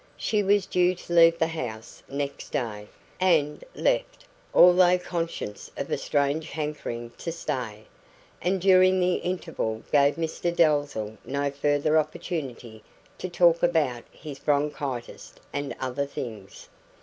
She was due to leave the house next day, and left, although conscious of a strange hankering to stay; and during the interval gave Mr Dalzell no further opportunity to talk about his bronchitis and other things.